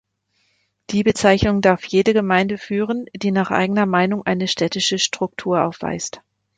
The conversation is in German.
Die Bezeichnung darf jede Gemeinde führen, die nach eigener Meinung eine städtische Struktur aufweist.